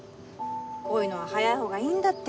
こういうのは早いほうがいいんだって。